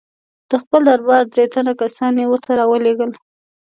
د خپل دربار درې تنه کسان یې ورته را ولېږل.